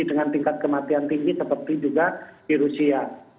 dengan tingkat kematian tinggi seperti juga di rusia